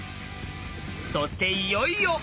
そしていよいよ。